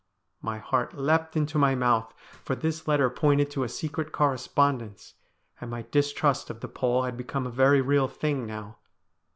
My heart leapt into my mouth, for this letter pointed to a secret correspondence, and my distrust of the Pole had become a very real thing now.